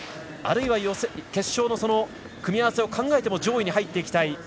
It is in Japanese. あるいは決勝の組み合わせを考えても上位に入っていきたい